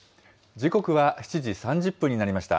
時刻は７時３０分になりました。